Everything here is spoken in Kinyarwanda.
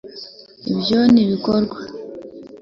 ibyo ntibikora